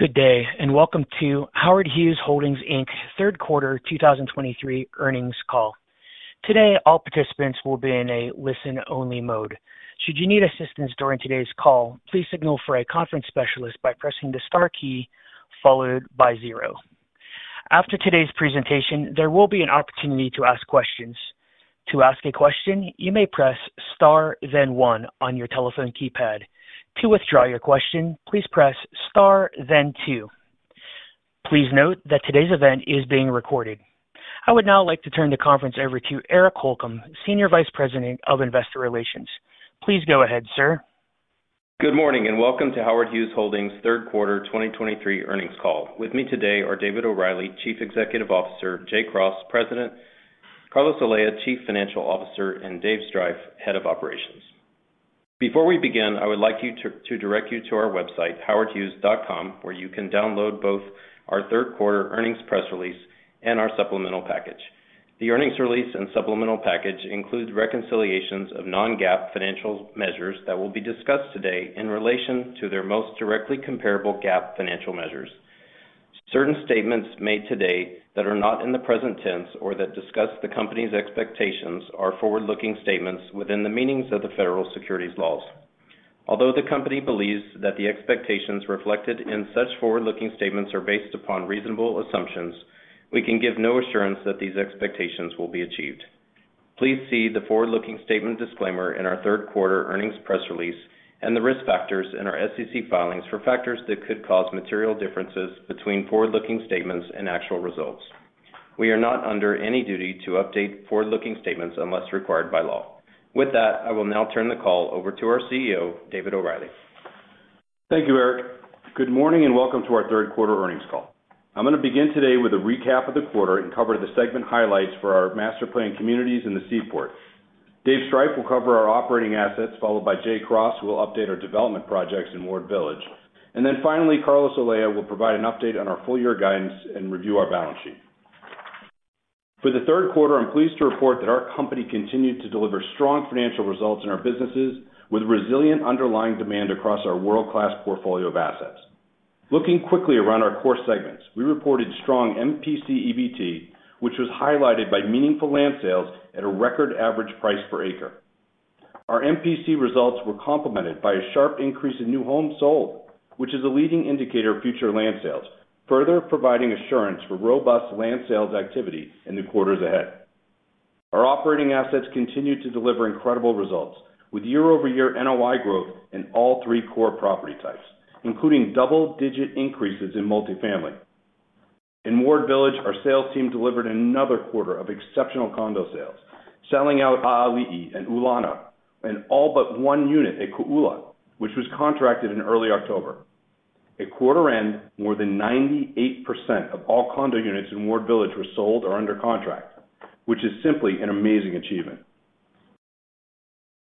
Good day, and welcome to Howard Hughes Holdings Inc. third quarter 2023 earnings call. Today, all participants will be in a listen-only mode. Should you need assistance during today's call, please signal for a conference specialist by pressing the Star key, followed by zero. After today's presentation, there will be an opportunity to ask questions. To ask a question, you may press Star, then one on your telephone keypad. To withdraw your question, please press Star, then two. Please note that today's event is being recorded. I would now like to turn the conference over to Eric Holcomb, Senior Vice President of Investor Relations. Please go ahead, sir. Good morning, and welcome to Howard Hughes Holdings third quarter 2023 earnings call. With me today are David O'Reilly, Chief Executive Officer; Jay Cross, President; Carlos Olea, Chief Financial Officer; and Dave Striph, Head of Operations. Before we begin, I would like you to direct you to our website, howardhughes.com, where you can download both our third quarter earnings press release and our supplemental package. The earnings release and supplemental package include reconciliations of non-GAAP financial measures that will be discussed today in relation to their most directly comparable GAAP financial measures. Certain statements made today that are not in the present tense or that discuss the company's expectations are forward-looking statements within the meanings of the federal securities laws. Although the company believes that the expectations reflected in such forward-looking statements are based upon reasonable assumptions, we can give no assurance that these expectations will be achieved. Please see the forward-looking statement disclaimer in our third quarter earnings press release and the risk factors in our SEC filings for factors that could cause material differences between forward-looking statements and actual results. We are not under any duty to update forward-looking statements unless required by law. With that, I will now turn the call over to our CEO, David O'Reilly. Thank you, Eric. Good morning, and welcome to our third quarter earnings call. I'm going to begin today with a recap of the quarter and cover the segment highlights for our master planned communities in the Seaport. Dave Striph will cover our operating assets, followed by Jay Cross, who will update our development projects in Ward Village. And then finally, Carlos Olea will provide an update on our full year guidance and review our balance sheet. For the third quarter, I'm pleased to report that our company continued to deliver strong financial results in our businesses, with resilient underlying demand across our world-class portfolio of assets. Looking quickly around our core segments, we reported strong MPC EBT, which was highlighted by meaningful land sales at a record average price per acre. Our MPC results were complemented by a sharp increase in new homes sold, which is a leading indicator of future land sales, further providing assurance for robust land sales activity in the quarters ahead. Our operating assets continued to deliver incredible results, with year-over-year NOI growth in all three core property types, including double-digit increases in multifamily. In Ward Village, our sales team delivered another quarter of exceptional condo sales, selling out A'ali'i and Ulana, and all but one unit at Kō'ula, which was contracted in early October. At quarter end, more than 98% of all condo units in Ward Village were sold or under contract, which is simply an amazing achievement.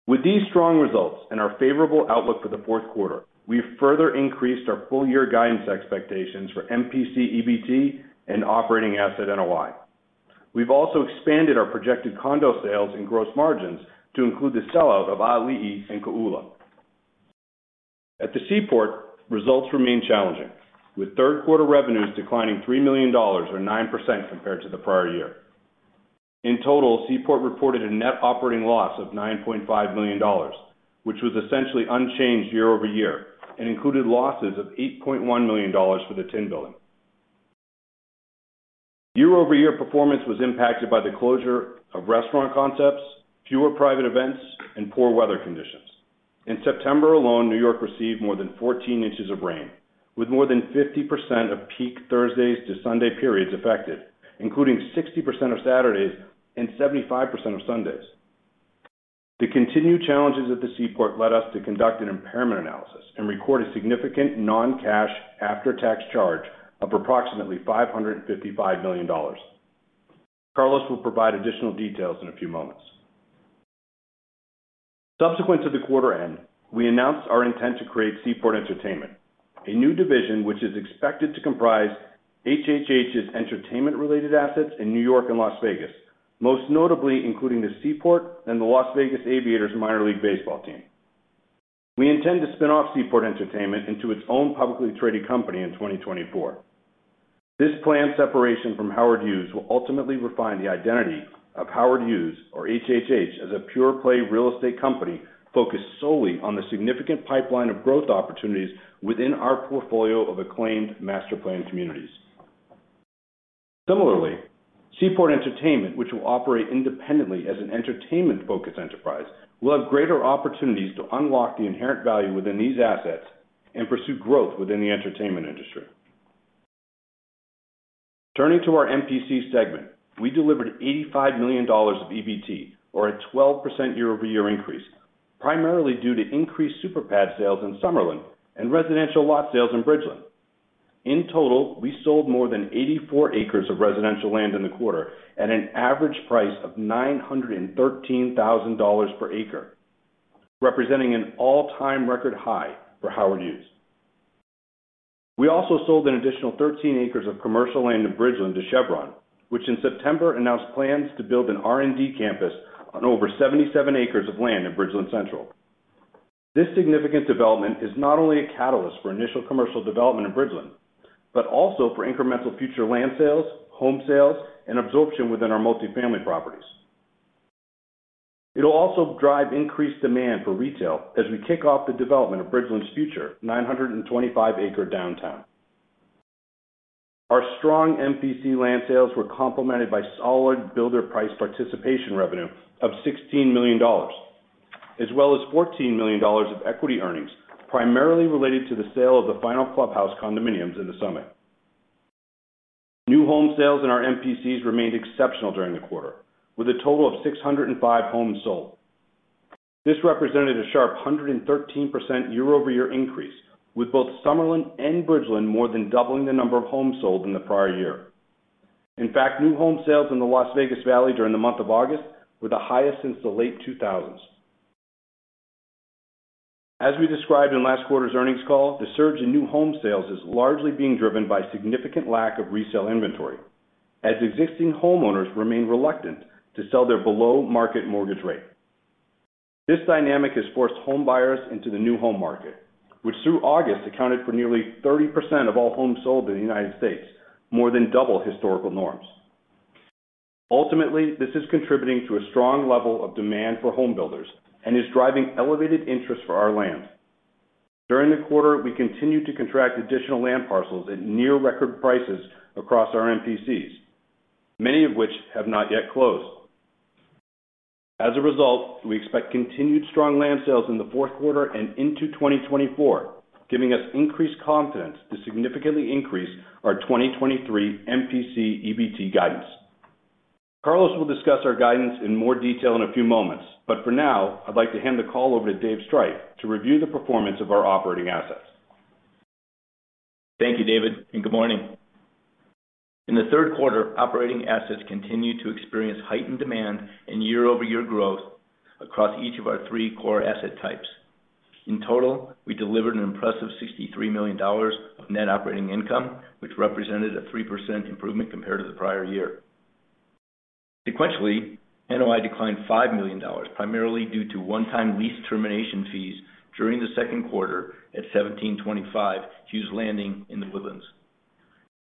With these strong results and our favorable outlook for the fourth quarter, we've further increased our full-year guidance expectations for MPC, EBT, and operating asset NOI. We've also expanded our projected condo sales and gross margins to include the sellout of A'ali'i and Kō'ula. At the Seaport, results remain challenging, with third quarter revenues declining $3 million or 9% compared to the prior year. In total, Seaport reported a net operating loss of $9.5 million, which was essentially unchanged year-over-year and included losses of $8.1 million for the Tin Building. Year-over-year performance was impacted by the closure of restaurant concepts, fewer private events, and poor weather conditions. In September alone, New York received more than 14 inches of rain, with more than 50% of peak Thursdays to Sunday periods affected, including 60% of Saturdays and 75% of Sundays. The continued challenges at the Seaport led us to conduct an impairment analysis and record a significant non-cash after-tax charge of approximately $555 million. Carlos will provide additional details in a few moments. Subsequent to the quarter end, we announced our intent to create Seaport Entertainment, a new division which is expected to comprise HHH's entertainment-related assets in New York and Las Vegas, most notably including the Seaport and the Las Vegas Aviators Minor League baseball team. We intend to spin off Seaport Entertainment into its own publicly traded company in 2024. This planned separation from Howard Hughes will ultimately refine the identity of Howard Hughes, or HHH, as a pure-play real estate company focused solely on the significant pipeline of growth opportunities within our portfolio of acclaimed master planned communities. Similarly, Seaport Entertainment, which will operate independently as an entertainment-focused enterprise, will have greater opportunities to unlock the inherent value within these assets and pursue growth within the entertainment industry. Turning to our MPC segment, we delivered $85 million of EBT, or a 12% year-over-year increase, primarily due to increased super pad sales in Summerlin and residential lot sales in Bridgeland. In total, we sold more than 84 acres of residential land in the quarter at an average price of $913,000 per acre, representing an all-time record high for Howard Hughes. We also sold an additional 13 acres of commercial land in Bridgeland to Chevron, which in September announced plans to build an R&D campus on over 77 acres of land in Bridgeland Central.... This significant development is not only a catalyst for initial commercial development in Bridgeland, but also for incremental future land sales, home sales, and absorption within our multifamily properties. It'll also drive increased demand for retail as we kick off the development of Bridgeland's future, 925-acre downtown. Our strong MPC land sales were complemented by solid builder price participation revenue of $16 million, as well as $14 million of equity earnings, primarily related to the sale of the final clubhouse condominiums in the Summit. New home sales in our MPCs remained exceptional during the quarter, with a total of 605 homes sold. This represented a sharp 113% year-over-year increase, with both Summerlin and Bridgeland more than doubling the number of homes sold in the prior year. In fact, new home sales in the Las Vegas Valley during the month of August were the highest since the late 2000s. As we described in last quarter's earnings call, the surge in new home sales is largely being driven by significant lack of resale inventory, as existing homeowners remain reluctant to sell their below-market mortgage rate. This dynamic has forced home buyers into the new home market, which through August, accounted for nearly 30% of all homes sold in the United States, more than double historical norms. Ultimately, this is contributing to a strong level of demand for home builders and is driving elevated interest for our lands. During the quarter, we continued to contract additional land parcels at near record prices across our MPCs, many of which have not yet closed. As a result, we expect continued strong land sales in the fourth quarter and into 2024, giving us increased confidence to significantly increase our 2023 MPC EBT guidance. Carlos will discuss our guidance in more detail in a few moments, but for now, I'd like to hand the call over to Dave Striph to review the performance of our operating assets. Thank you, David, and good morning. In the third quarter, operating assets continued to experience heightened demand and year-over-year growth across each of our three core asset types. In total, we delivered an impressive $63 million of net operating income, which represented a 3% improvement compared to the prior year. Sequentially, NOI declined $5 million, primarily due to one-time lease termination fees during the second quarter at 1725 Hughes Landing in The Woodlands.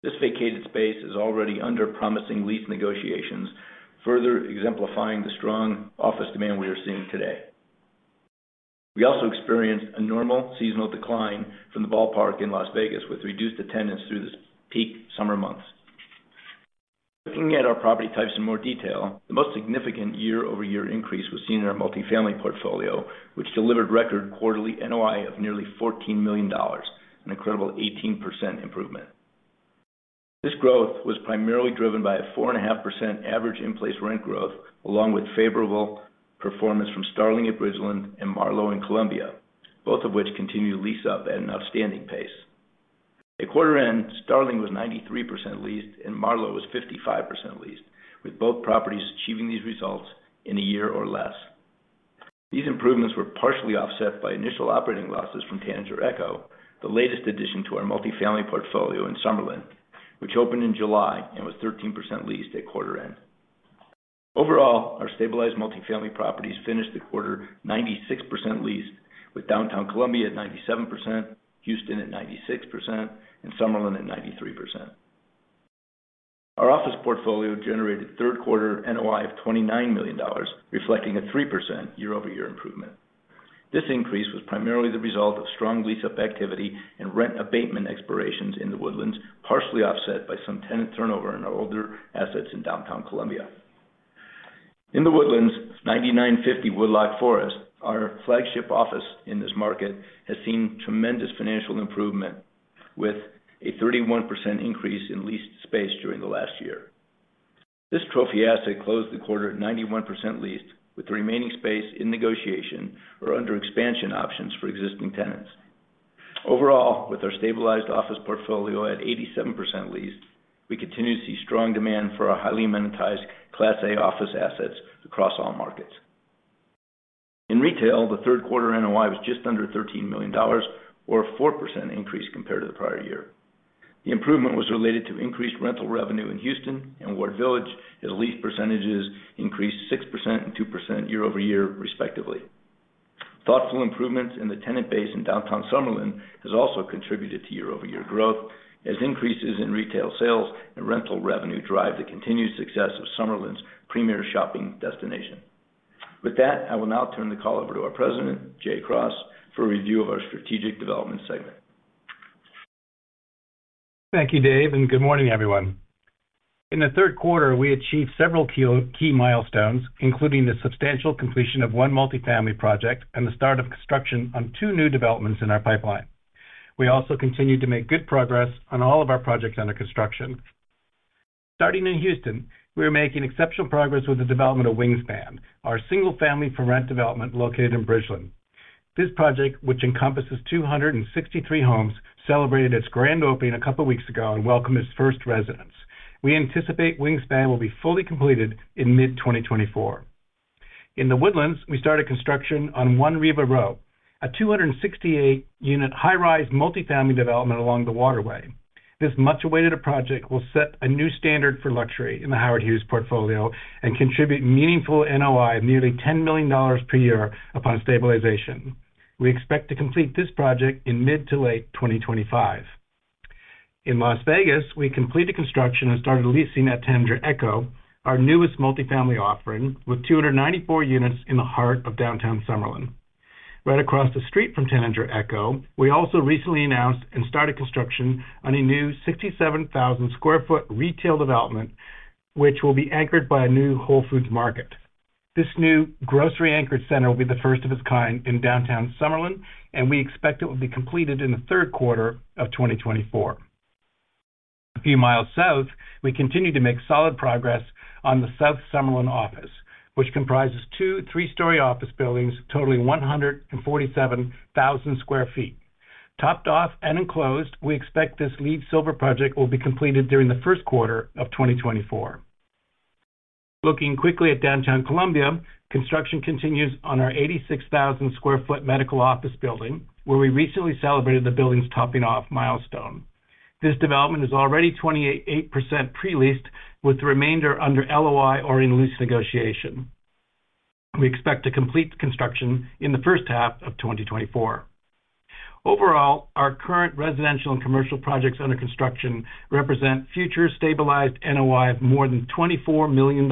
This vacated space is already under promising lease negotiations, further exemplifying the strong office demand we are seeing today. We also experienced a normal seasonal decline from the ballpark in Las Vegas, with reduced attendance through the peak summer months. Looking at our property types in more detail, the most significant year-over-year increase was seen in our multifamily portfolio, which delivered record quarterly NOI of nearly $14 million, an incredible 18% improvement. This growth was primarily driven by a 4.5% average in-place rent growth, along with favorable performance from Starling at Bridgeland and Marlowe in Columbia, both of which continue to lease up at an outstanding pace. At quarter-end, Starling was 93% leased and Marlowe was 55% leased, with both properties achieving these results in a year or less. These improvements were partially offset by initial operating losses from Tanager Echo, the latest addition to our multifamily portfolio in Summerlin, which opened in July and was 13% leased at quarter-end. Overall, our stabilized multifamily properties finished the quarter 96% leased, with Downtown Columbia at 97%, Houston at 96%, and Summerlin at 93%. Our office portfolio generated third quarter NOI of $29 million, reflecting a 3% year-over-year improvement. This increase was primarily the result of strong lease-up activity and rent abatement expirations in The Woodlands, partially offset by some tenant turnover in our older assets in Downtown Columbia. In The Woodlands, 9950 Woodloch Forest, our flagship office in this market, has seen tremendous financial improvement with a 31% increase in leased space during the last year. This trophy asset closed the quarter at 91% leased, with the remaining space in negotiation or under expansion options for existing tenants. Overall, with our stabilized office portfolio at 87% leased, we continue to see strong demand for our highly monetized Class A office assets across all markets. In retail, the third quarter NOI was just under $13 million, or a 4% increase compared to the prior year. The improvement was related to increased rental revenue in Houston and Ward Village, as lease percentages increased 6% and 2% year-over-year, respectively. Thoughtful improvements in the tenant base in downtown Summerlin has also contributed to year-over-year growth, as increases in retail sales and rental revenue drive the continued success of Summerlin's premier shopping destination. With that, I will now turn the call over to our president, Jay Cross, for a review of our strategic development segment. Thank you, Dave, and good morning, everyone. In the third quarter, we achieved several key, key milestones, including the substantial completion of one multifamily project and the start of construction on two new developments in our pipeline. We also continued to make good progress on all of our projects under construction. Starting in Houston, we are making exceptional progress with the development of Wingspan, our single-family for rent development located in Bridgeland. This project, which encompasses 263 homes, celebrated its grand opening a couple of weeks ago and welcomed its first residents. We anticipate Wingspan will be fully completed in mid-2024. In The Woodlands, we started construction on One Riva Row, a 268-unit, high-rise multifamily development along the waterway.... This much awaited project will set a new standard for luxury in the Howard Hughes portfolio and contribute meaningful NOI of nearly $10 million per year upon stabilization. We expect to complete this project in mid to late 2025. In Las Vegas, we completed construction and started leasing at Tanager Echo, our newest multifamily offering, with 294 units in the heart of Downtown Summerlin. Right across the street from Tanager Echo, we also recently announced and started construction on a new 67,000 sq. ft. retail development, which will be anchored by a new Whole Foods Market. This new grocery anchored center will be the first of its kind in Downtown Summerlin, and we expect it will be completed in the third quarter of 2024. A few miles south, we continue to make solid progress on the South Summerlin office, which comprises two three-story office buildings, totaling 147,000 sq. ft. Topped off and enclosed, we expect this LEED Silver project will be completed during the first quarter of 2024. Looking quickly at Downtown Columbia, construction continues on our 86,000 sq. ft. medical office building, where we recently celebrated the building's topping off milestone. This development is already 28% pre-leased, with the remainder under LOI or in lease negotiation. We expect to complete the construction in the first half of 2024. Overall, our current residential and commercial projects under construction represent future stabilized NOI of more than $24 million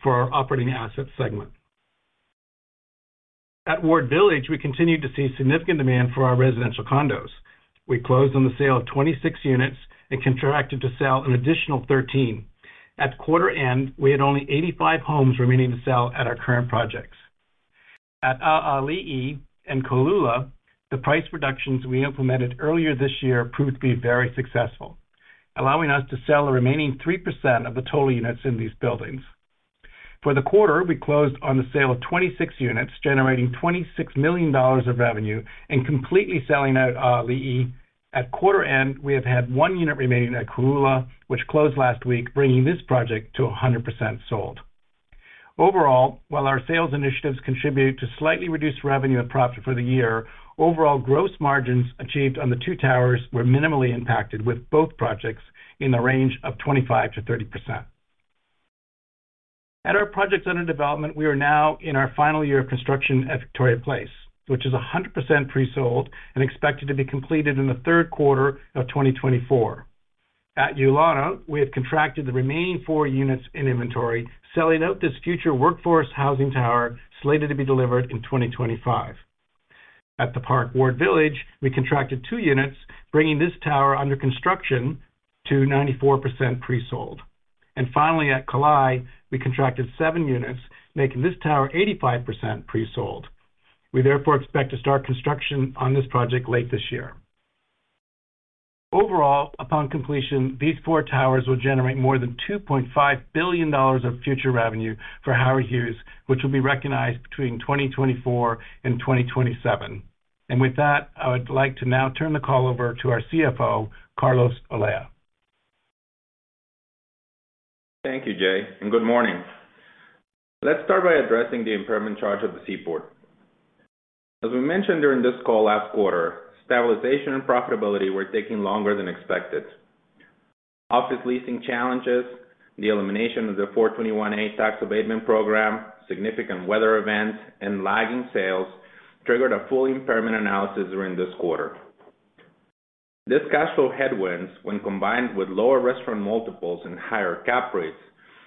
for our operating assets segment. At Ward Village, we continue to see significant demand for our residential condos. We closed on the sale of 26 units and contracted to sell an additional 13. At quarter end, we had only 85 homes remaining to sell at our current projects. At A'ali'i and Kō'ula, the price reductions we implemented earlier this year proved to be very successful, allowing us to sell the remaining 3% of the total units in these buildings. For the quarter, we closed on the sale of 26 units, generating $26 million of revenue and completely selling out A'ali'i. At quarter end, we have had one unit remaining at Kō'ula, which closed last week, bringing this project to 100% sold. Overall, while our sales initiatives contributed to slightly reduced revenue and profit for the year, overall gross margins achieved on the two towers were minimally impacted, with both projects in the range of 25%-30%. At our projects under development, we are now in our final year of construction at Victoria Place, which is 100% pre-sold and expected to be completed in the third quarter of 2024. At Ulana, we have contracted the remaining four units in inventory, selling out this future workforce housing tower, slated to be delivered in 2025. At the Park Ward Village, we contracted two units, bringing this tower under construction to 94% pre-sold. And finally, at Kalae, we contracted seven units, making this tower 85% pre-sold. We therefore expect to start construction on this project late this year. Overall, upon completion, these four towers will generate more than $2.5 billion of future revenue for Howard Hughes, which will be recognized between 2024 and 2027. With that, I would like to now turn the call over to our CFO, Carlos Olea. Thank you, Jay, and good morning. Let's start by addressing the impairment charge of the Seaport. As we mentioned during this call last quarter, stabilization and profitability were taking longer than expected. Office leasing challenges, the elimination of the 421-a Tax Abatement Program, significant weather events, and lagging sales triggered a full impairment analysis during this quarter. This cash flow headwinds, when combined with lower restaurant multiples and higher cap rates,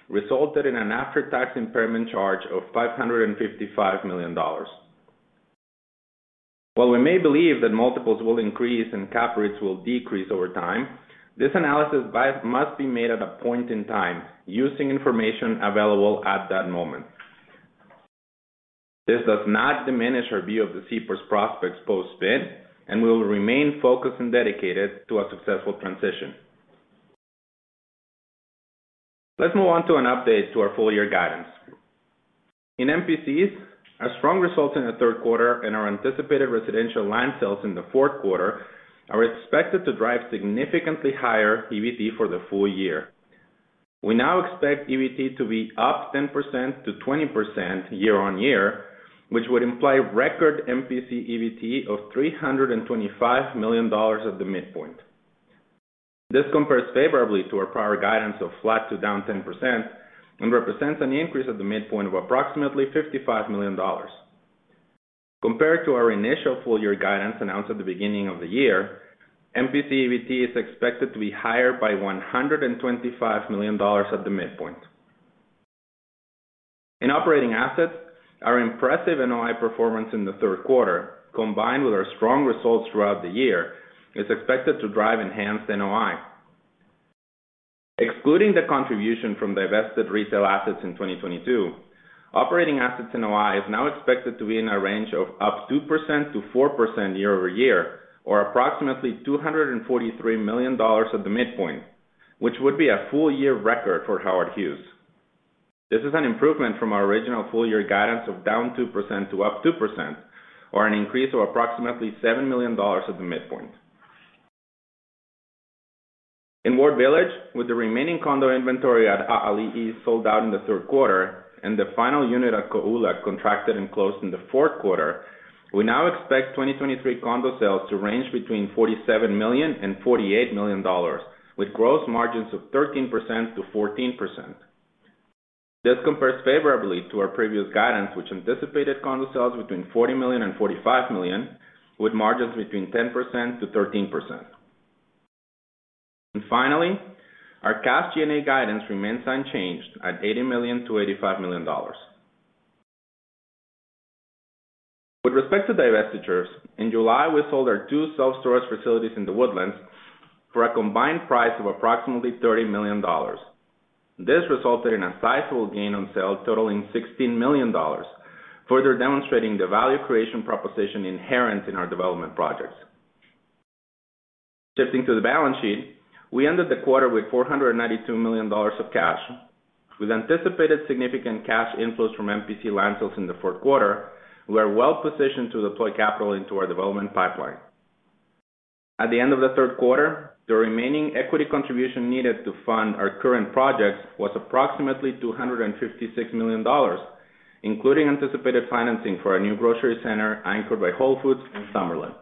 resulted in an after-tax impairment charge of $555 million. While we may believe that multiples will increase and cap rates will decrease over time, this analysis must be made at a point in time, using information available at that moment. This does not diminish our view of the Seaport's prospects post-spin, and we will remain focused and dedicated to a successful transition. Let's move on to an update to our full year guidance. In MPCs, our strong results in the third quarter and our anticipated residential land sales in the fourth quarter are expected to drive significantly higher EBT for the full year. We now expect EBT to be up 10%-20% year-on-year, which would imply record MPC EBT of $325 million at the midpoint. This compares favorably to our prior guidance of flat to down 10% and represents an increase at the midpoint of approximately $55 million. Compared to our initial full year guidance announced at the beginning of the year, MPC EBT is expected to be higher by $125 million at the midpoint. In operating assets, our impressive NOI performance in the third quarter, combined with our strong results throughout the year, is expected to drive enhanced NOI. Excluding the contribution from divested retail assets in 2022, operating assets NOI is now expected to be in a range of up 2%-4% year-over-year, or approximately $243 million at the midpoint, which would be a full year record for Howard Hughes. This is an improvement from our original full year guidance of down 2% to up 2%, or an increase of approximately $7 million at the midpoint. In Ward Village, with the remaining condo inventory at A'ali'i sold out in the third quarter and the final unit at Kō'ula contracted and closed in the fourth quarter,... We now expect 2023 condo sales to range between $47 million and $48 million, with gross margins of 13%-14%. This compares favorably to our previous guidance, which anticipated condo sales between $40 million and $45 million, with margins between 10%-13%. Finally, our cash G&A guidance remains unchanged at $80 million-$85 million. With respect to divestitures, in July, we sold our two self-storage facilities in The Woodlands for a combined price of approximately $30 million. This resulted in a sizable gain on sale totaling $16 million, further demonstrating the value creation proposition inherent in our development projects. Shifting to the balance sheet, we ended the quarter with $492 million of cash. With anticipated significant cash inflows from MPC land sales in the fourth quarter, we are well positioned to deploy capital into our development pipeline. At the end of the third quarter, the remaining equity contribution needed to fund our current projects was approximately $256 million, including anticipated financing for a new grocery center anchored by Whole Foods in Summerlin.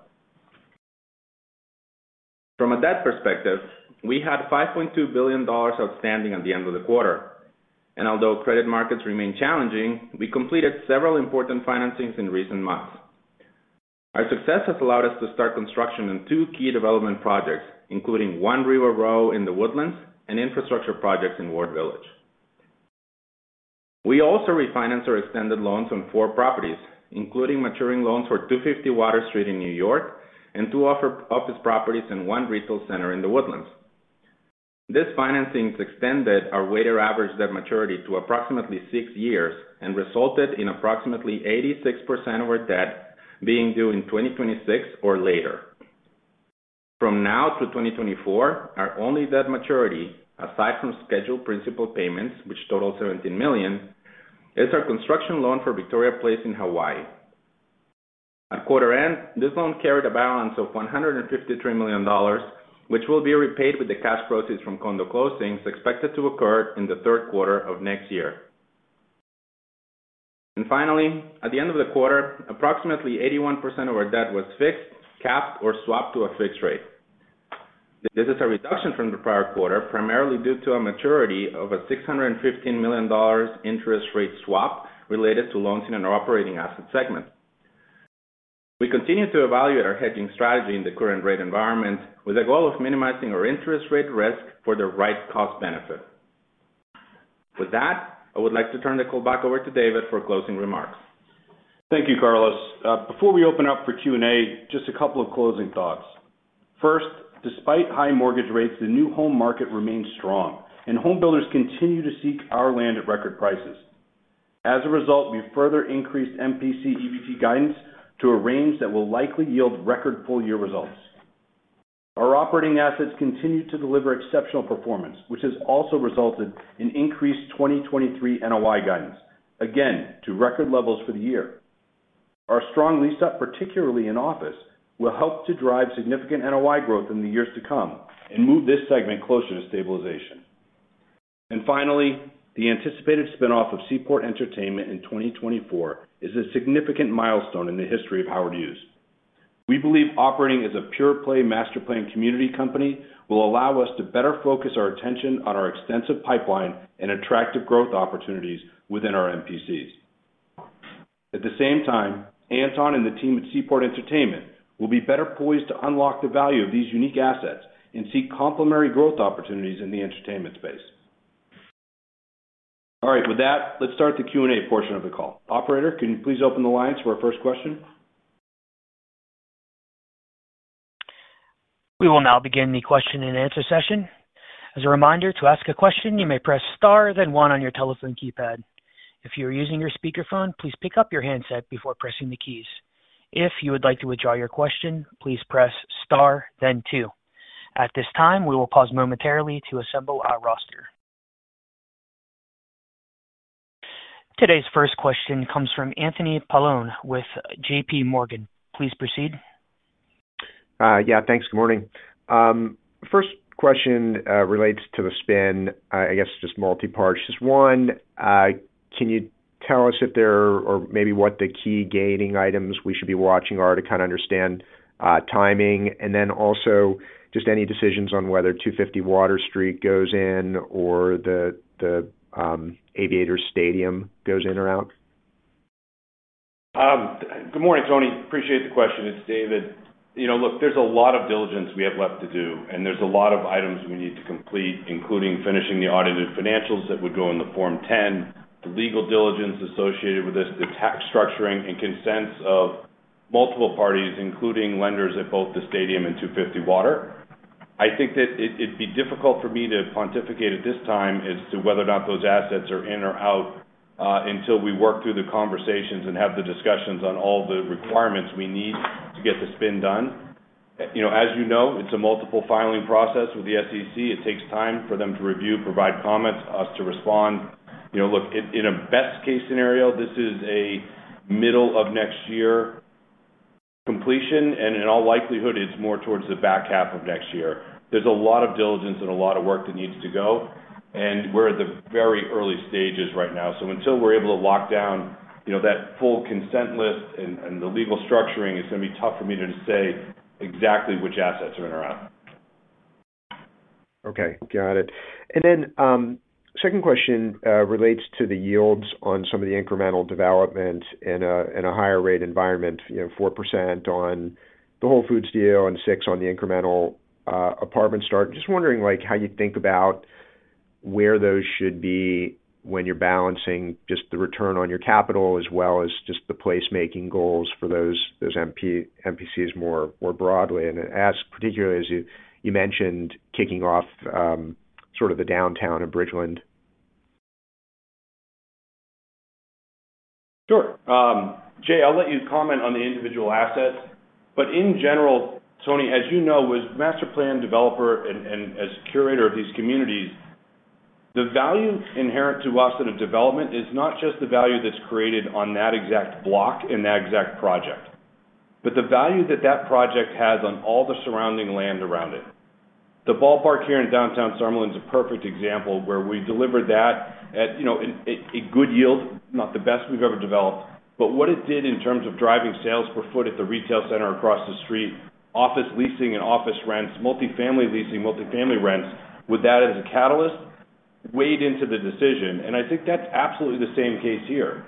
From a debt perspective, we had $5.2 billion outstanding at the end of the quarter. Although credit markets remain challenging, we completed several important financings in recent months. Our success has allowed us to start construction on two key development projects, including One Riva Row in The Woodlands and infrastructure projects in Ward Village. We also refinanced our extended loans on four properties, including maturing loans for 250 Water Street in New York and two office properties and one retail center in The Woodlands. This financing extended our weighted average debt maturity to approximately six years and resulted in approximately 86% of our debt being due in 2026 or later. From now through 2024, our only debt maturity, aside from scheduled principal payments, which total $17 million, is our construction loan for Victoria Place in Hawaiʻi. At quarter end, this loan carried a balance of $153 million, which will be repaid with the cash proceeds from condo closings expected to occur in the third quarter of next year. And finally, at the end of the quarter, approximately 81% of our debt was fixed, capped, or swapped to a fixed rate. This is a reduction from the prior quarter, primarily due to a maturity of a $615 million interest rate swap related to loans in our operating asset segment. We continue to evaluate our hedging strategy in the current rate environment, with the goal of minimizing our interest rate risk for the right cost benefit. With that, I would like to turn the call back over to David for closing remarks. Thank you, Carlos. Before we open up for Q&A, just a couple of closing thoughts. First, despite high mortgage rates, the new home market remains strong, and home builders continue to seek our land at record prices. As a result, we further increased MPC EBT guidance to a range that will likely yield record full-year results. Our operating assets continue to deliver exceptional performance, which has also resulted in increased 2023 NOI guidance, again, to record levels for the year. Our strong lease-up, particularly in office, will help to drive significant NOI growth in the years to come and move this segment closer to stabilization. And finally, the anticipated spin-off of Seaport Entertainment in 2024 is a significant milestone in the history of Howard Hughes. We believe operating as a pure-play master-planned community company will allow us to better focus our attention on our extensive pipeline and attractive growth opportunities within our MPCs. At the same time, Anton and the team at Seaport Entertainment will be better poised to unlock the value of these unique assets and seek complementary growth opportunities in the entertainment space. All right, with that, let's start the Q&A portion of the call. Operator, can you please open the lines for our first question? We will now begin the question-and-answer session. As a reminder, to ask a question, you may press star, then one on your telephone keypad. If you are using your speakerphone, please pick up your handset before pressing the keys. If you would like to withdraw your question, please press star, then two. At this time, we will pause momentarily to assemble our roster. Today's first question comes from Anthony Paolone with JPMorgan. Please proceed. Yeah, thanks. Good morning. First question relates to the spin. I guess, just multi-part. Just one, can you tell us if there are, or maybe what the key gaining items we should be watching are to kind of understand timing? And then also, just any decisions on whether 250 Water Street goes in or the Aviators Stadium goes in or out? Good morning, Tony. Appreciate the question. It's David. You know, look, there's a lot of diligence we have left to do, and there's a lot of items we need to complete, including finishing the audited financials that would go in the Form 10, the legal diligence associated with this, the tax structuring and consents of multiple parties, including lenders at both the stadium and 250 Water. I think that it, it'd be difficult for me to pontificate at this time as to whether or not those assets are in or out, until we work through the conversations and have the discussions on all the requirements we need to get the spin done. You know, as you know, it's a multiple filing process with the SEC. It takes time for them to review, provide comments, us to respond. You know, look, in a best case scenario, this is a middle of next year completion, and in all likelihood, it's more towards the back half of next year. There's a lot of diligence and a lot of work that needs to go, and we're at the very early stages right now. So until we're able to lock down, you know, that full consent list and the legal structuring, it's gonna be tough for me to say exactly which assets are in or out. Okay, got it. And then, second question, relates to the yields on some of the incremental development in a higher rate environment, you know, 4% on the Whole Foods deal and 6% on the incremental apartment start. Just wondering, like, how you think about where those should be when you're balancing just the return on your capital, as well as just the placemaking goals for those MPCs more broadly. And particularly as you mentioned, kicking off sort of the downtown of Bridgeland. Sure. Jay, I'll let you comment on the individual assets. But in general, Tony, as you know, with master plan developer and as curator of these communities, the value inherent to us in a development is not just the value that's created on that exact block in that exact project, but the value that that project has on all the surrounding land around it. The ballpark here in downtown Summerlin is a perfect example, where we delivered that at, you know, a good yield, not the best we've ever developed. But what it did in terms of driving sales per foot at the retail center across the street, office leasing and office rents, multifamily leasing, multifamily rents, with that as a catalyst, weighed into the decision, and I think that's absolutely the same case here.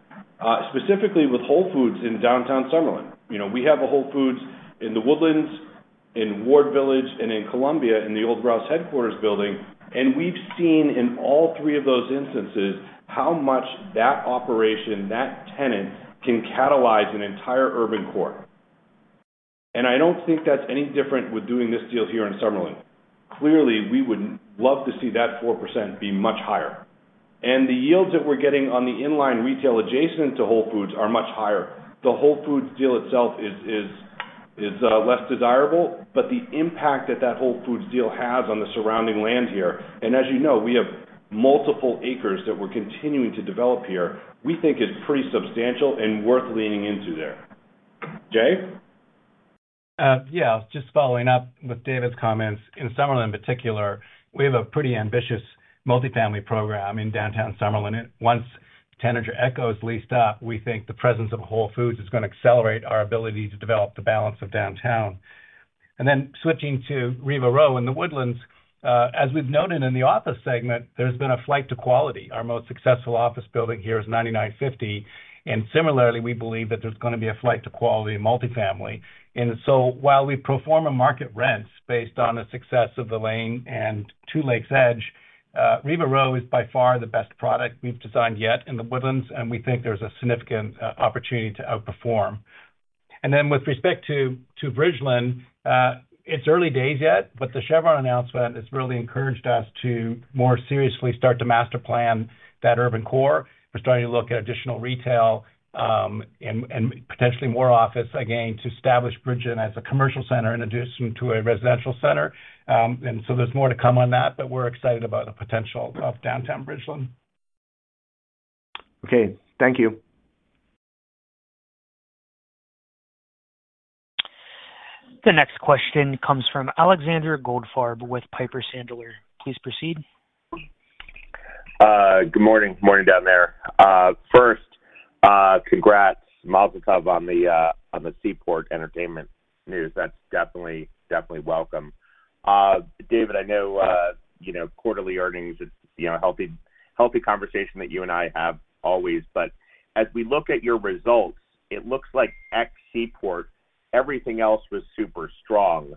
Specifically with Whole Foods in downtown Summerlin. You know, we have a Whole Foods in The Woodlands, in Ward Village, and in Columbia, in the old Rouse headquarters building. We've seen in all three of those instances, how much that operation, that tenant, can catalyze an entire urban core. I don't think that's any different with doing this deal here in Summerlin. Clearly, we would love to see that 4% be much higher, and the yields that we're getting on the inline retail adjacent to Whole Foods are much higher. The Whole Foods deal itself is less desirable, but the impact that that Whole Foods deal has on the surrounding land here, and as you know, we have multiple acres that we're continuing to develop here. We think it's pretty substantial and worth leaning into there. Jay? Yeah, just following up with David's comments. In Summerlin, in particular, we have a pretty ambitious multifamily program in downtown Summerlin. Once Tanager Echo is leased up, we think the presence of Whole Foods is gonna accelerate our ability to develop the balance of downtown. And then switching to Riva Row in The Woodlands, as we've noted in the office segment, there's been a flight to quality. Our most successful office building here is 9950, and similarly, we believe that there's gonna be a flight to quality in multifamily. And so while we perform a market rents based on the success of the Lane and Two Lakes Edge, Riva Row is by far the best product we've designed yet in The Woodlands, and we think there's a significant opportunity to outperform. Then with respect to, to Bridgeland, it's early days yet, but the Chevron announcement has really encouraged us to more seriously start to master plan that urban core. We're starting to look at additional retail, and, and potentially more office, again, to establish Bridgeland as a commercial center in addition to a residential center. And so there's more to come on that, but we're excited about the potential of downtown Bridgeland. Okay, thank you. The next question comes from Alexander Goldfarb with Piper Sandler. Please proceed. Good morning. Good morning down there. First, congrats, mazel tov, on the Seaport Entertainment news. That's definitely, definitely welcome. David, I know, you know, quarterly earnings is, you know, a healthy, healthy conversation that you and I have always. But as we look at your results, it looks like ex-Seaport, everything else was super strong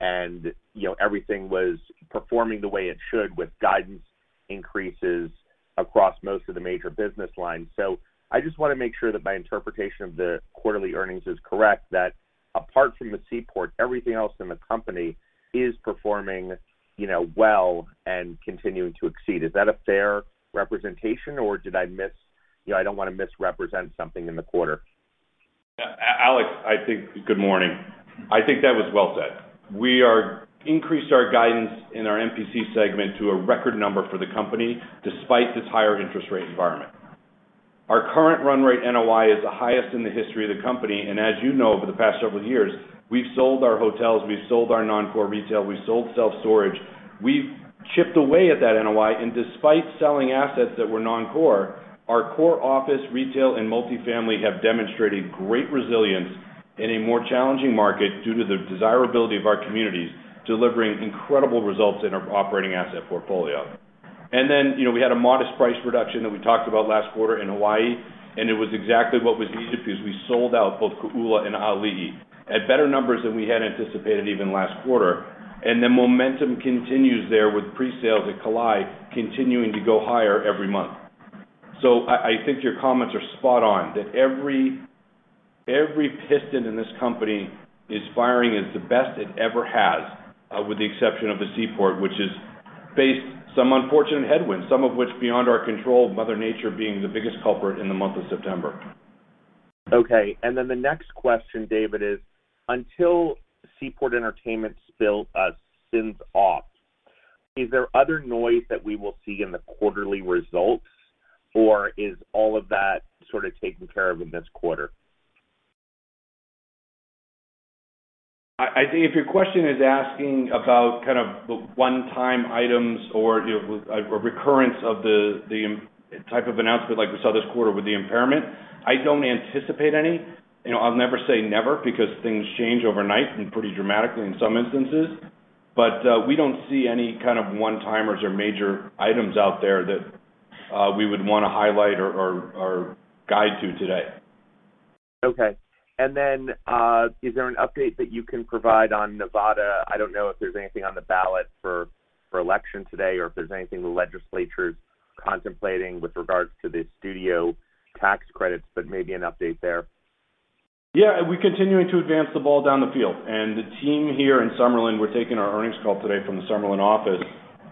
and, you know, everything was performing the way it should, with guidance increases across most of the major business lines. So I just wanna make sure that my interpretation of the quarterly earnings is correct, that apart from the Seaport, everything else in the company is performing, you know, well and continuing to exceed. Is that a fair representation, or did I miss... You know, I don't wanna misrepresent something in the quarter. Alex, I think. Good morning. I think that was well said. We are increased our guidance in our MPC segment to a record number for the company, despite this higher interest rate environment. Our current run rate NOI is the highest in the history of the company, and as you know, over the past several years, we've sold our hotels, we've sold our non-core retail, we've sold self-storage. We've chipped away at that NOI, and despite selling assets that were non-core, our core office, retail, and multifamily have demonstrated great resilience in a more challenging market due to the desirability of our communities, delivering incredible results in our operating asset portfolio. And then, you know, we had a modest price reduction that we talked about last quarter in Hawaii, and it was exactly what was needed because we sold out both Kō'ula and A'ali'i, at better numbers than we had anticipated, even last quarter. And the momentum continues there, with presales at Kalae continuing to go higher every month. So I think your comments are spot on, that every piston in this company is firing as the best it ever has, with the exception of the Seaport, which has faced some unfortunate headwinds, some of which beyond our control, Mother Nature being the biggest culprit in the month of September. Okay, and then the next question, David, is: until Seaport Entertainment spins off... Is there other noise that we will see in the quarterly results, or is all of that sort of taken care of in this quarter? I think if your question is asking about kind of the one-time items or, you know, a recurrence of the type of announcement like we saw this quarter with the impairment, I don't anticipate any. You know, I'll never say never, because things change overnight and pretty dramatically in some instances. But, we don't see any kind of one-timers or major items out there that we would want to highlight or guide to today. Okay. Then, is there an update that you can provide on Nevada? I don't know if there's anything on the ballot for election today, or if there's anything the legislature is contemplating with regards to the studio tax credits, but maybe an update there. Yeah, we're continuing to advance the ball down the field. And the team here in Summerlin, we're taking our earnings call today from the Summerlin office,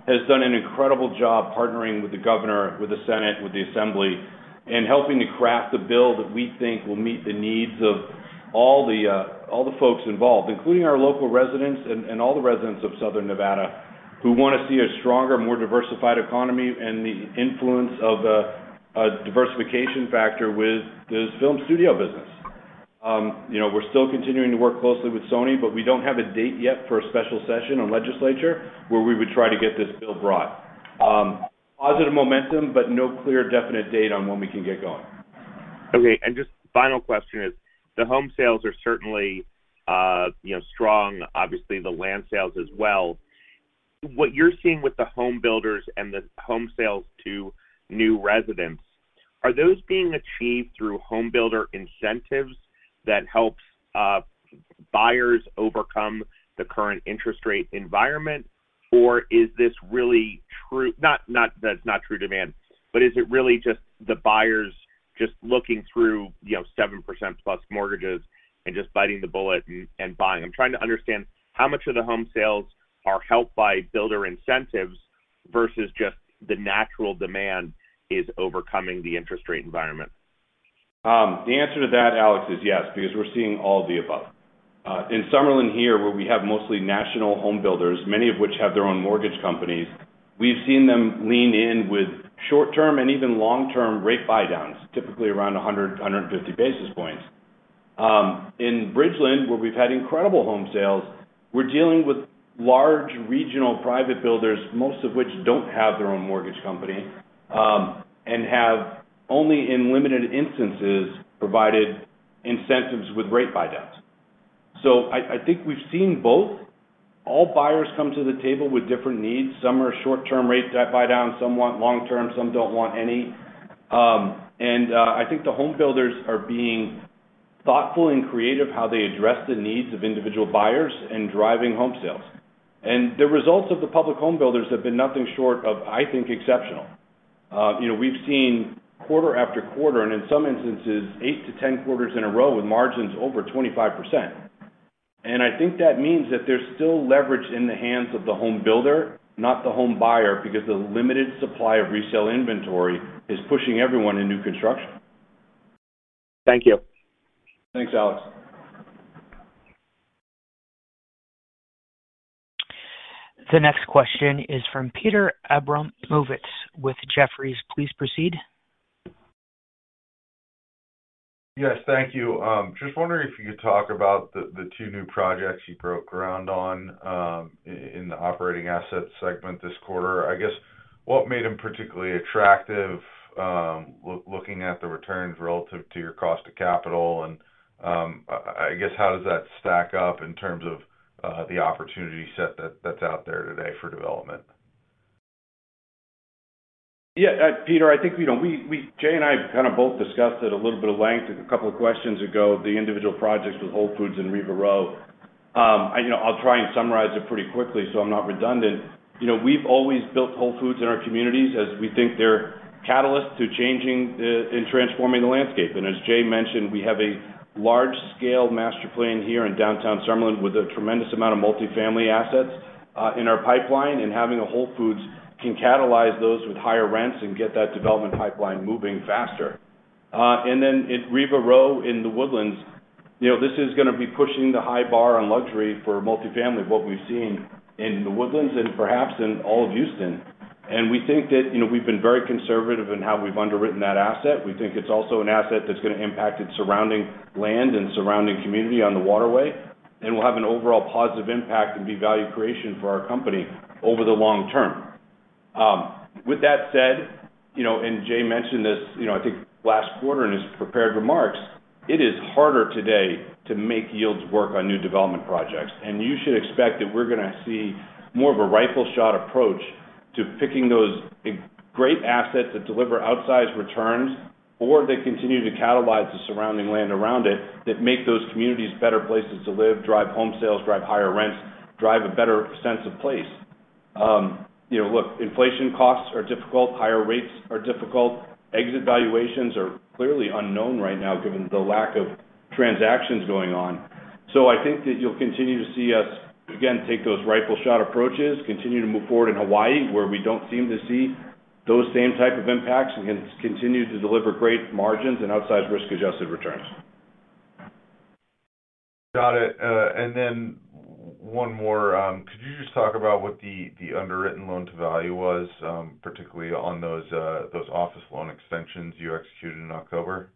has done an incredible job partnering with the governor, with the Senate, with the Assembly, and helping to craft the bill that we think will meet the needs of all the folks involved, including our local residents and all the residents of Southern Nevada, who want to see a stronger, more diversified economy and the influence of a diversification factor with the film studio business. You know, we're still continuing to work closely with Sony, but we don't have a date yet for a special session on legislature, where we would try to get this bill brought. Positive momentum, but no clear, definite date on when we can get going. Okay, and just final question is, the home sales are certainly, you know, strong, obviously, the land sales as well. What you're seeing with the home builders and the home sales to new residents, are those being achieved through home builder incentives that helps buyers overcome the current interest rate environment? Or is this really true-- not, not that it's not true demand, but is it really just the buyers just looking through, you know, 7%+ mortgages and just biting the bullet and buying? I'm trying to understand how much of the home sales are helped by builder incentives versus just the natural demand is overcoming the interest rate environment. The answer to that, Alex, is yes, because we're seeing all of the above. In Summerlin here, where we have mostly national home builders, many of which have their own mortgage companies, we've seen them lean in with short-term and even long-term rate buydowns, typically around 100, 150 basis points. In Bridgeland, where we've had incredible home sales, we're dealing with large regional private builders, most of which don't have their own mortgage company, and have only in limited instances, provided incentives with rate buydowns. So I think we've seen both. All buyers come to the table with different needs. Some are short-term rate buydowns, some want long-term, some don't want any. And I think the home builders are being thoughtful and creative how they address the needs of individual buyers in driving home sales. The results of the public home builders have been nothing short of, I think, exceptional. You know, we've seen quarter after quarter, and in some instances, 8-10 quarters in a row with margins over 25%. I think that means that there's still leverage in the hands of the home builder, not the home buyer, because the limited supply of resale inventory is pushing everyone in new construction. Thank you. Thanks, Alex. The next question is from Peter Abramowitz with Jefferies. Please proceed. Yes, thank you. Just wondering if you could talk about the two new projects you broke ground on in the operating asset segment this quarter. I guess, what made them particularly attractive looking at the returns relative to your cost of capital and, I guess, how does that stack up in terms of the opportunity set that's out there today for development? Yeah, Peter, I think, you know, we, Jay and I kind of both discussed it a little bit at length a couple of questions ago, the individual projects with Whole Foods and Riva Row. You know, I'll try and summarize it pretty quickly, so I'm not redundant. You know, we've always built Whole Foods in our communities as we think they're catalysts to changing the and transforming the landscape. And as Jay mentioned, we have a large-scale master plan here in Downtown Summerlin, with a tremendous amount of multifamily assets in our pipeline, and having a Whole Foods can catalyze those with higher rents and get that development pipeline moving faster. And then in Riva Row in The Woodlands, you know, this is going to be pushing the high bar on luxury for multifamily, what we've seen in The Woodlands and perhaps in all of Houston. We think that, you know, we've been very conservative in how we've underwritten that asset. We think it's also an asset that's going to impact its surrounding land and surrounding community on the waterway, and will have an overall positive impact and be value creation for our company over the long term. With that said, you know, and Jay mentioned this, you know, I think last quarter in his prepared remarks, it is harder today to make yields work on new development projects. You should expect that we're going to see more of a rifle shot approach to picking those great assets that deliver outsized returns, or they continue to catalyze the surrounding land around it, that make those communities better places to live, drive home sales, drive higher rents, drive a better sense of place. You know, look, inflation costs are difficult, higher rates are difficult, exit valuations are clearly unknown right now given the lack of transactions going on. So I think that you'll continue to see us, again, take those rifle shot approaches, continue to move forward in Hawaii, where we don't seem to see those same type of impacts, and continue to deliver great margins and outsized risk-adjusted returns.... Got it. And then one more. Could you just talk about what the, the underwritten loan-to-value was, particularly on those, those office loan extensions you executed in October?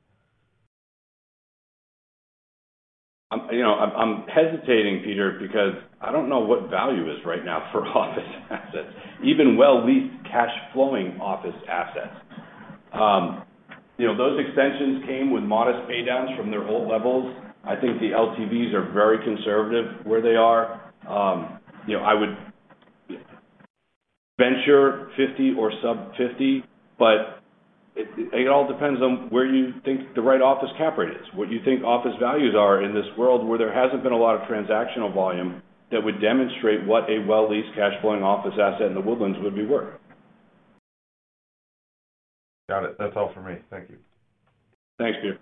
You know, I'm hesitating, Peter, because I don't know what value is right now for office assets, even well leased cash flowing office assets. You know, those extensions came with modest pay downs from their old levels. I think the LTVs are very conservative where they are. You know, I would venture 50 or sub 50, but it all depends on where you think the right office cap rate is, what you think office values are in this world, where there hasn't been a lot of transactional volume that would demonstrate what a well leased cash flowing office asset in The Woodlands would be worth. Got it. That's all for me. Thank you. Thanks, Peter.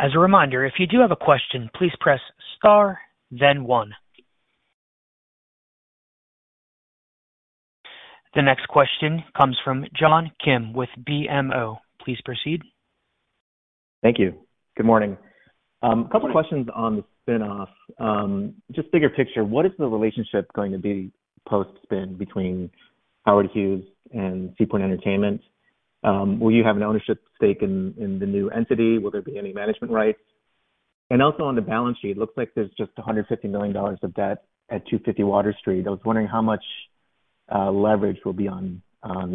As a reminder, if you do have a question, please press star, then one. The next question comes from John Kim with BMO. Please proceed. Thank you. Good morning. Good morning. A couple questions on the spin-off. Just bigger picture, what is the relationship going to be post-spin between Howard Hughes and Seaport Entertainment? Will you have an ownership stake in, in the new entity? Will there be any management rights? And also on the balance sheet, it looks like there's just $150 million of debt at 250 Water Street. I was wondering how much, leverage will be on,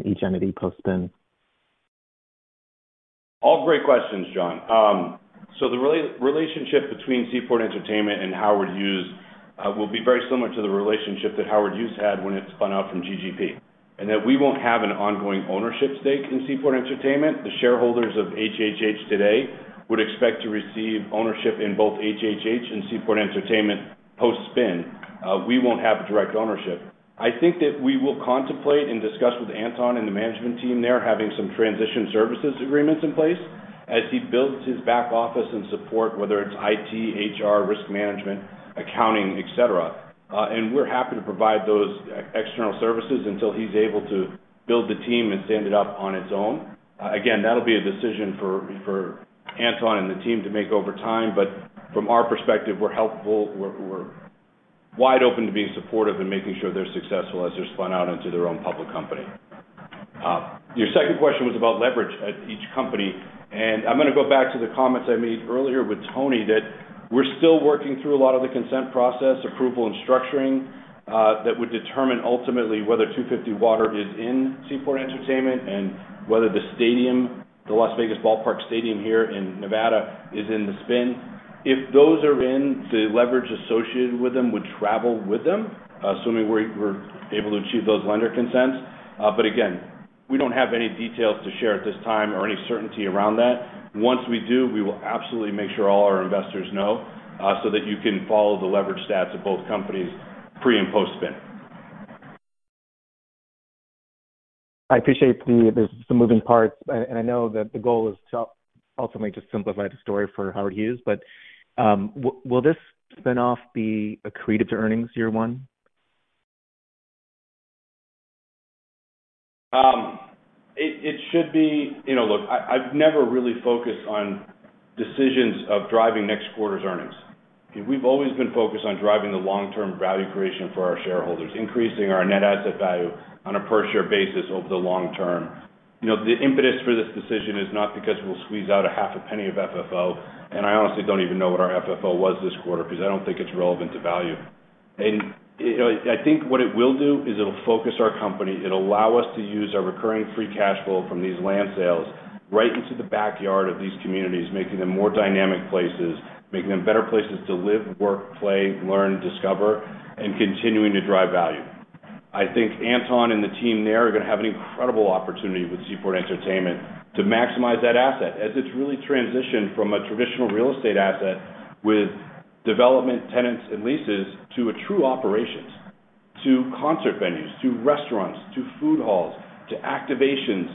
each entity post-spin. All great questions, John. So the relationship between Seaport Entertainment and Howard Hughes will be very similar to the relationship that Howard Hughes had when it spun out from GGP, and that we won't have an ongoing ownership stake in Seaport Entertainment. The shareholders of HHH today would expect to receive ownership in both HHH and Seaport Entertainment post-spin. We won't have direct ownership. I think that we will contemplate and discuss with Anthony and the management team there, having some transition services agreements in place as he builds his back office and support, whether it's IT, HR, risk management, accounting, et cetera. And we're happy to provide those external services until he's able to build the team and stand it up on its own. Again, that'll be a decision for Anthony and the team to make over time, but from our perspective, we're helpful. We're wide open to being supportive and making sure they're successful as they're spun out into their own public company. Your second question was about leverage at each company, and I'm going to go back to the comments I made earlier with Tony, that we're still working through a lot of the consent process, approval, and structuring that would determine ultimately whether 250 Water is in Seaport Entertainment and whether the stadium, the Las Vegas Ballpark here in Nevada, is in the spin. If those are in, the leverage associated with them would travel with them, assuming we're able to achieve those lender consents. But again, we don't have any details to share at this time or any certainty around that. Once we do, we will absolutely make sure all our investors know, so that you can follow the leverage stats of both companies pre- and post-spin. I appreciate the, there's some moving parts. And, and I know that the goal is to ultimately just simplify the story for Howard Hughes. But, will this spin off be accretive to earnings year one? It should be. You know, look, I've never really focused on decisions of driving next quarter's earnings. We've always been focused on driving the long-term value creation for our shareholders, increasing our net asset value on a per-share basis over the long term. You know, the impetus for this decision is not because we'll squeeze out a half a penny of FFO, and I honestly don't even know what our FFO was this quarter, because I don't think it's relevant to value. You know, I think what it will do is it'll focus our company. It'll allow us to use our recurring free cash flow from these land sales right into the backyard of these communities, making them more dynamic places, making them better places to live, work, play, learn, discover, and continuing to drive value. I think Anthony and the team there are going to have an incredible opportunity with Seaport Entertainment to maximize that asset, as it's really transitioned from a traditional real estate asset with development tenants and leases, to a true operations, to concert venues, to restaurants, to food halls, to activations.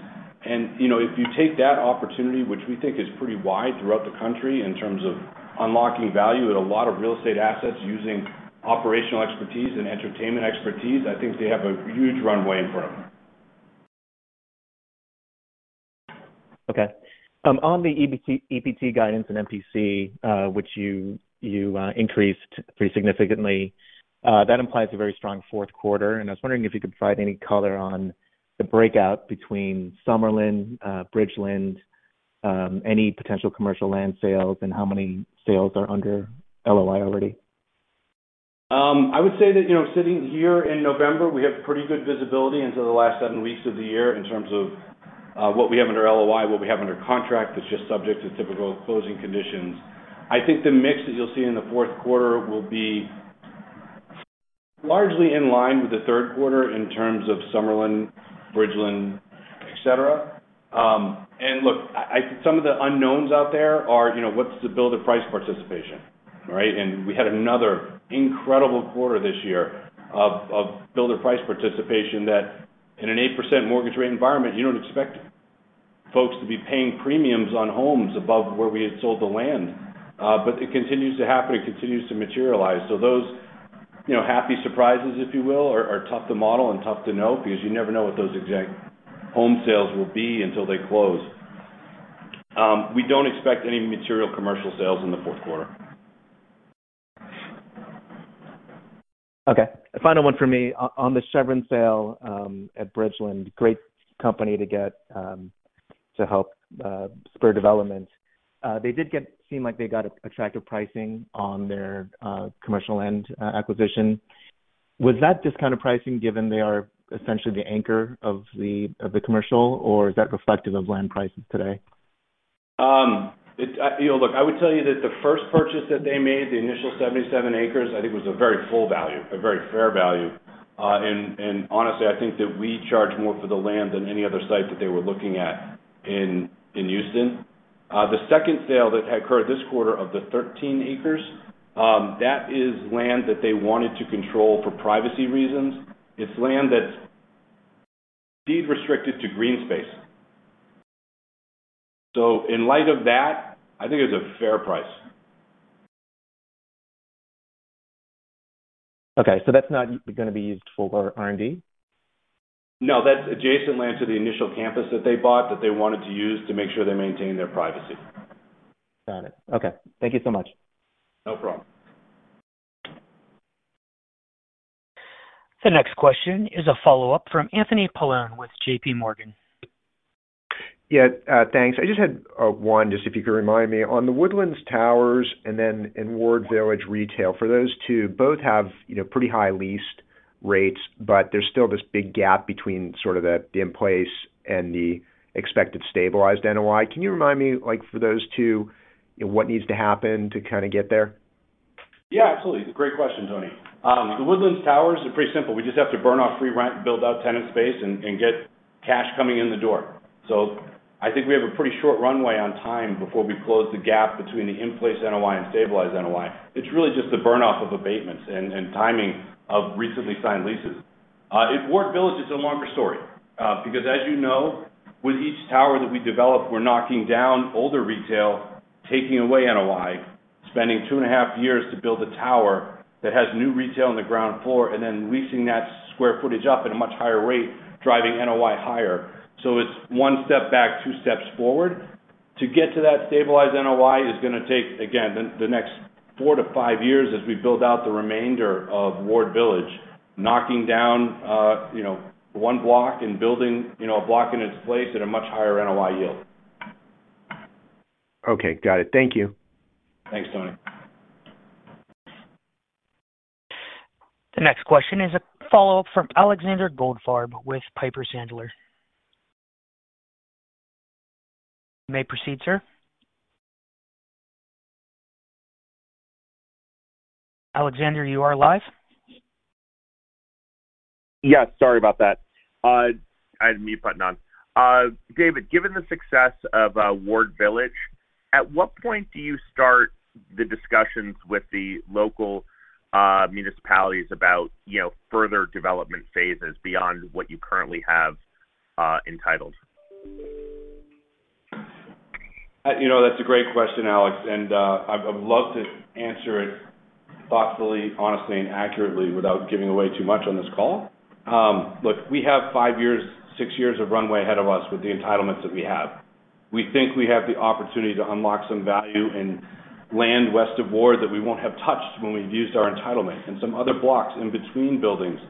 You know, if you take that opportunity, which we think is pretty wide throughout the country in terms of unlocking value at a lot of real estate assets, using operational expertise and entertainment expertise, I think they have a huge runway in front of them. Okay. On the EBT-EPT guidance and MPC, which you increased pretty significantly, that implies a very strong fourth quarter, and I was wondering if you could provide any color on the breakout between Summerlin, Bridgeland, any potential commercial land sales, and how many sales are under LOI already? I would say that, you know, sitting here in November, we have pretty good visibility into the last seven weeks of the year in terms of what we have under LOI, what we have under contract, that's just subject to typical closing conditions. I think the mix that you'll see in the fourth quarter will be largely in line with the third quarter in terms of Summerlin, Bridgeland, et cetera. And look, some of the unknowns out there are, you know, what's the builder price participation, right? And we had another incredible quarter this year of builder price participation, that in an 8% mortgage rate environment, you don't expect folks to be paying premiums on homes above where we had sold the land. But it continues to happen, it continues to materialize. So those-... You know, happy surprises, if you will, are tough to model and tough to know because you never know what those exact home sales will be until they close. We don't expect any material commercial sales in the fourth quarter. Okay, final one for me. On the Chevron sale at Bridgeland, great company to get to help spur development. They seem like they got attractive pricing on their commercial land acquisition. Was that discounted pricing, given they are essentially the anchor of the commercial, or is that reflective of land prices today? It's, you know, look, I would tell you that the first purchase that they made, the initial 77 acres, I think was a very full value, a very fair value. And honestly, I think that we charged more for the land than any other site that they were looking at in Houston. The second sale that occurred this quarter of the 13 acres, that is land that they wanted to control for privacy reasons. It's land that's deed restricted to green space. So in light of that, I think it's a fair price. Okay, so that's not gonna be used for R&D? No, that's adjacent land to the initial campus that they bought, that they wanted to use to make sure they're maintaining their privacy. Got it. Okay. Thank you so much. No problem. The next question is a follow-up from Anthony Paolone with JP Morgan. Yeah, thanks. I just had one, just if you could remind me. On The Woodlands Towers and then in Ward Village Retail, for those two, both have, you know, pretty high leased rates, but there's still this big gap between sort of the in-place and the expected stabilized NOI. Can you remind me, like, for those two, what needs to happen to kinda get there? Yeah, absolutely. Great question, Tony. The Woodlands Towers are pretty simple. We just have to burn off free rent, build out tenant space, and get cash coming in the door. So I think we have a pretty short runway on time before we close the gap between the in-place NOI and stabilized NOI. It's really just the burn-off of abatements and timing of recently signed leases. In Ward Village, it's a longer story, because as you know, with each tower that we develop, we're knocking down older retail, taking away NOI, spending two and a half years to build a tower that has new retail on the ground floor, and then leasing that square footage up at a much higher rate, driving NOI higher. So it's one step back, two steps forward. To get to that stabilized NOI is gonna take, again, the next four-five years as we build out the remainder of Ward Village, knocking down, you know, 1 block and building, you know, a block in its place at a much higher NOI yield. Okay, got it. Thank you. Thanks, Tony. The next question is a follow-up from Alexander Goldfarb with Piper Sandler. You may proceed, sir. Alexander, you are live? Yeah, sorry about that. I had the mute button on. David, given the success of Ward Village, at what point do you start the discussions with the local municipalities about, you know, further development phases beyond what you currently have entitled? You know, that's a great question, Alex, and I'd love to answer it thoughtfully, honestly, and accurately without giving away too much on this call. Look, we have five years, six years of runway ahead of us with the entitlements that we have. We think we have the opportunity to unlock some value in land west of Ward that we won't have touched when we've used our entitlement, and some other blocks in between buildings,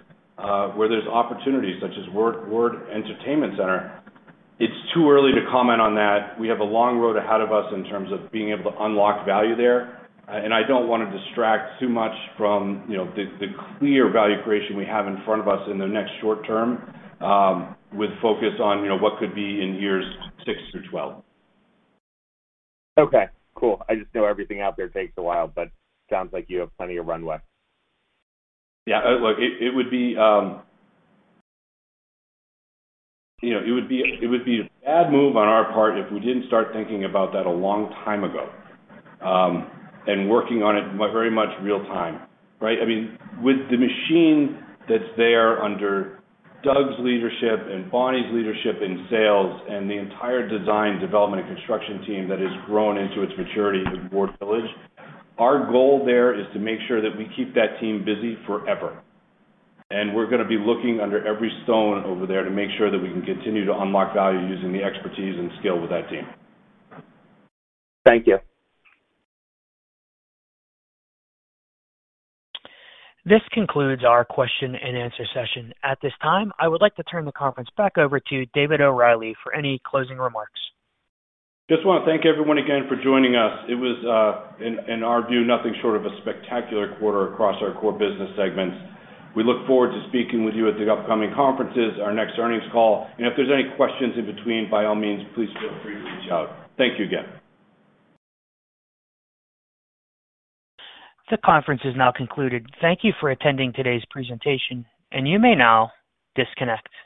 where there's opportunities, such as Ward Entertainment Center. It's too early to comment on that. We have a long road ahead of us in terms of being able to unlock value there, and I don't wanna distract too much from, you know, the, the clear value creation we have in front of us in the next short term, with focus on, you know, what could be in years six through twelve. Okay, cool. I just know everything out there takes a while, but sounds like you have plenty of runway. Yeah. Look, it would be a bad move on our part if we didn't start thinking about that a long time ago, and working on it very much real time, right? I mean, with the machine that's there under Doug's leadership and Bonnie's leadership in sales, and the entire design, development, and construction team that has grown into its maturity with Ward Village, our goal there is to make sure that we keep that team busy forever. And we're gonna be looking under every stone over there to make sure that we can continue to unlock value using the expertise and skill with that team. Thank you. This concludes our question and answer session. At this time, I would like to turn the conference back over to David O'Reilly for any closing remarks. Just wanna thank everyone again for joining us. It was, in our view, nothing short of a spectacular quarter across our core business segments. We look forward to speaking with you at the upcoming conferences, our next earnings call. If there's any questions in between, by all means, please feel free to reach out. Thank you again. This conference is now concluded. Thank you for attending today's presentation, and you may now disconnect.